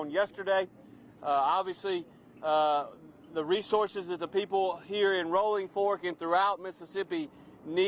tentu saja sumber daya yang diperlukan oleh orang di rolling fork dan di seluruh mississippi